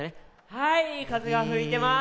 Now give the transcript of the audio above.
はいかぜがふいてます。